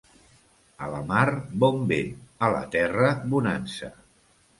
A la mar bon vent, a la terra bonança.